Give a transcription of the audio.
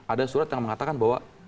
ada surat yang mengatakan bahwa